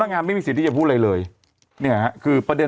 ทำงานครบ๒๐ปีได้เงินชดเฉยเลิกจ้างไม่น้อยกว่า๔๐๐วัน